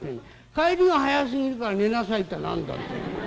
『帰りが早すぎるから寝なさい』って何だってんだ。